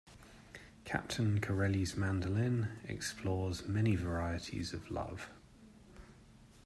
"Captain Corelli's Mandolin" explores many varieties of love.